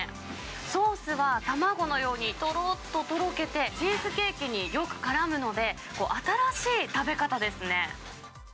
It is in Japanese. ソースは卵のようにとろーっととろけて、チーズケーキによくからむので、新しい食べ方ですね。